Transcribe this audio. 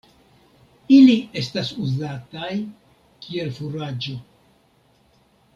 Ili estas uzataj kiel furaĝo.